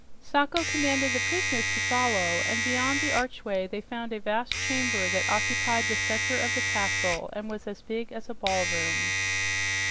Sacho commanded the prisoners to follow, and beyond the archway they found a vast chamber that occupied the center of the castle and was as big as a ballroom.